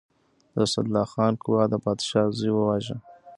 د اسدالله خان قواوو د پادشاه زوی وواژه.